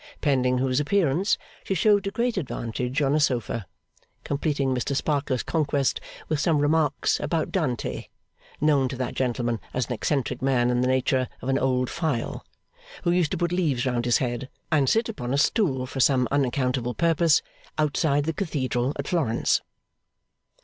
Pending whose appearance, she showed to great advantage on a sofa, completing Mr Sparkler's conquest with some remarks upon Dante known to that gentleman as an eccentric man in the nature of an Old File, who used to put leaves round his head, and sit upon a stool for some unaccountable purpose, outside the cathedral at Florence.